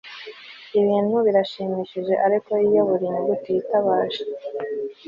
Ibintu birashimishije ariko iyo buri nyuguti yitabaje